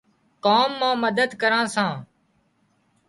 ڪام مان مدد ڪران سان